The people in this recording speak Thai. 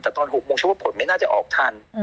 แต่ตอน๖โมงฉันว่าผลไม่น่าจะออกทัน